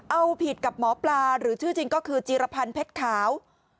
เอาผิดกับหมอปลาหรือชื่อจริงก็คือจีรพันธ์เพชรขาว